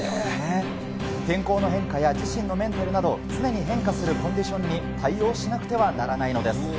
天候の変化や自身のメンタルなど常に変化するコンディションに対応しなくてはならないのです。